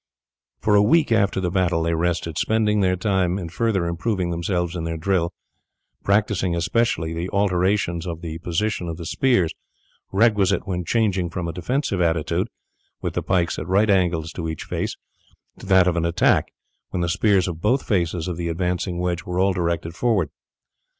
For a week after the battle they rested, spending their time in further improving themselves in their drill, practicing especially the alterations of the position of the spears requisite when changing from a defensive attitude, with the pikes at right angles to each face, to that of an attack, when the spears of both faces of the advancing wedge were all directed forward.